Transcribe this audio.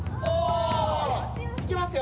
いけますよ。